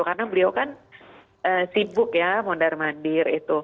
karena beliau kan sibuk ya mondar mandir itu